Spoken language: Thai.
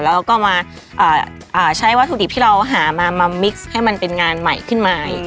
แล้วก็มาใช้วัตถุดิบที่เราหามามามิกซ์ให้มันเป็นงานใหม่ขึ้นมาเอง